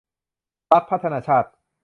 พรรคพัฒนาชาติ